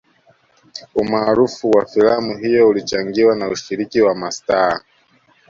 Umaarufu wa filamu hiyo ulichangiwa na ushiriki wa mastaa